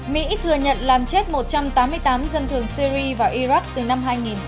mỹ thừa nhận làm chết một trăm tám mươi tám dân thường syri và iraq từ năm hai nghìn một mươi